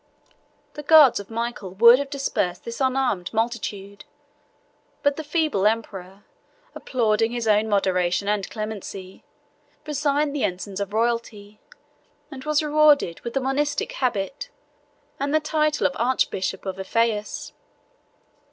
The guards of Michael would have dispersed this unarmed multitude; but the feeble emperor, applauding his own moderation and clemency, resigned the ensigns of royalty, and was rewarded with the monastic habit, and the title of Archbishop of Ephesus.